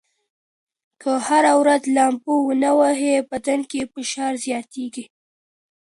که هره ورځ لامبو ونه ووهئ، بدن کې فشار زیاتېږي.